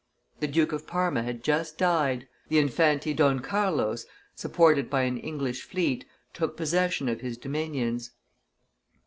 The Duke of Parma had just died; the Infante Don Carlos, supported by an English fleet, took possession of his dominions.